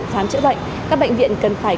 khám chữa bệnh các bệnh viện cần phải